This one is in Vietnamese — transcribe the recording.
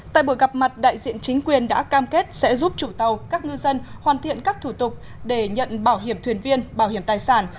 tại buổi gặp mặt đại diện chính quyền đã cam kết sẽ giúp chủ tàu các ngư dân hoàn thiện các thủ tục để nhận bảo hiểm thuyền viên bảo hiểm tài sản